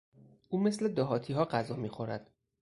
او مثل دهاتیها غذا میخورد.